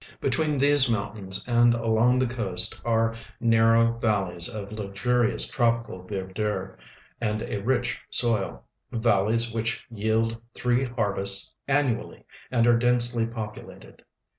Between these mountains and along the coast are narrow val leys of luxurious troi)ical verdure and a rich soil — valleys which yield three harve.sts annually and are densely populated.